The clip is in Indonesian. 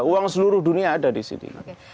uang seluruh dunia ada di sini